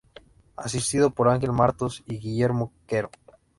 Asistido por Ángel Martos y Guillermo Quero.